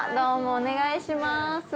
お願いします。